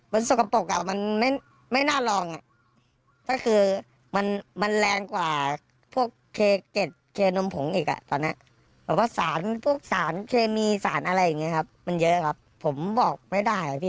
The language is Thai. เพื่อนผมอ่ะในตัวเมืองอ่ะมันบอกมาว่าไอ้สัตว์อันนี้อย่าไปไอ้นี่